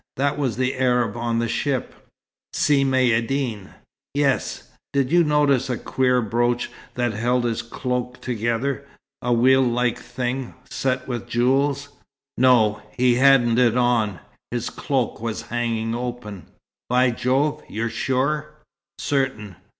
"That was the Arab of the ship." "Si Maïeddine " "Yes. Did you notice a queer brooch that held his cloak together? A wheel like thing, set with jewels?" "No. He hadn't it on. His cloak was hanging open." "By Jove! You're sure?" "Certain.